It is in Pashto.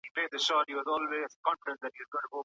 اوس د نقاش غوږونه